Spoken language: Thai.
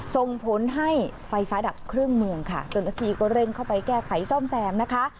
ส่งผลให้ไฟฟ้าดับเครื่องเมืองค่ะเจ้าหน้าที่ก็เร่งเข้าไปแก้ไขซ่อมแซมนะคะ